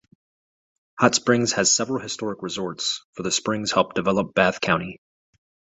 Hot Springs has several historic resorts, for the springs helped develop Bath County.